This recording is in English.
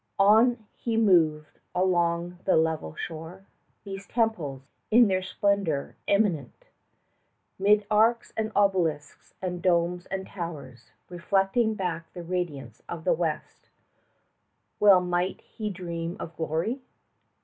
On as he moved along the level shore, 45 These temples, in their splendour eminent 'Mid arcs and obelisks, and domes and towers, Reflecting back the radiance of the west, Well might he dream of glory!